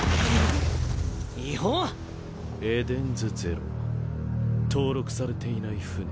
エデンズゼロ登録されていない船。